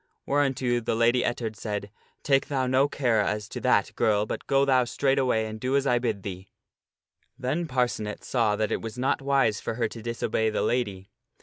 Whereunto the Lady Ettard said, " Take thou no care as to that, girl, but go thou straightway and do as I bid thee." Then Parcenet saw that it was not wise for her to disobey the lady.